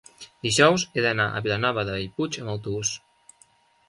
dijous he d'anar a Vilanova de Bellpuig amb autobús.